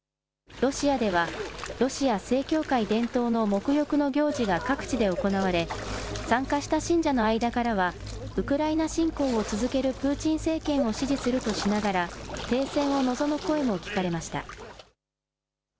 ロシアでは、ロシア正教会伝統のもく浴の行事が各地で行われ、参加した信者の間からはウクライナ侵攻を続けるプーチン政権を支持するとしながら、停戦を望む声も聞かれました。